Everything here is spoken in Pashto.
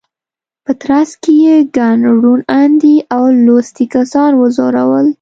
په ترڅ کې یې ګڼ روڼ اندي او لوستي کسان وځورول.